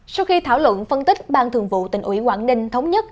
sau khi thảo luận phân tích bang thượng vụ tỉnh ủy quảng đình thống nhất